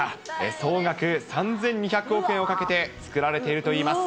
総額３２００億円をかけて作られているといいます。